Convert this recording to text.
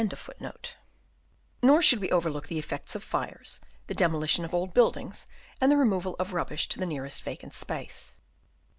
* Nor should we overlook the effects of fires, the demolition of old buildings, and the removal of rubbish to the nearest vacant space.